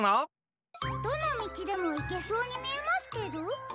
どのみちでもいけそうにみえますけど。